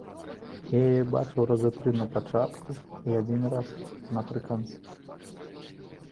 Я яе бачыў разы тры на пачатку і адзін раз напрыканцы.